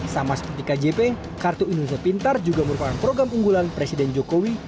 sama seperti kjp kartu indonesia pintar juga merupakan program unggulan presiden jokowi